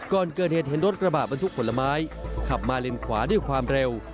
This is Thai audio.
ก่อนเกิดเหตุเห็นรถกระบะบรรทุกผลไม้ขับมาเลนขวาด้วยความเร็ว